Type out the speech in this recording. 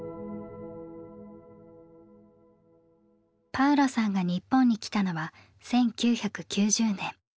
パウロさんが日本に来たのは１９９０年。